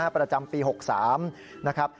ประจำปี๖๓นะครับ